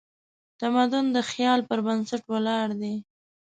تمدن د خیال پر بنسټ ولاړ دی.